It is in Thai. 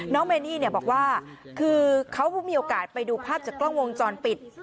เมนี่บอกว่าคือเขามีโอกาสไปดูภาพจากกล้องวงจรปิด